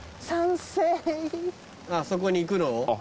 そこに行くのを？